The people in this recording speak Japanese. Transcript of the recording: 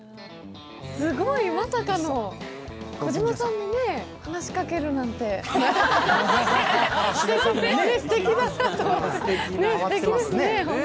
すごい、まさかの、児嶋さんに話しかけるなんて、石田さん